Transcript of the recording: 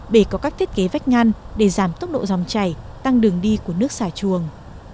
để có các thiết kế vách ngăn để giảm tốc độ dòng chảy tăng đường đi của nước xả chuồng